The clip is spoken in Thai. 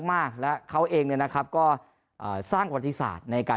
มากและเขาเองเนี่ยนะครับก็อ่าสร้างวัลธิษฐาในการ